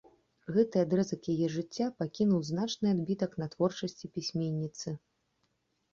Гэты адрэзак яе жыцця пакінуў значны адбітак на творчасці пісьменніцы.